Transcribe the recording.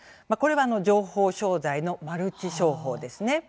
これは情報商材のマルチ商法ですね。